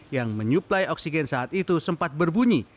yang menyuplai oksigen saat itu sempat berbunyi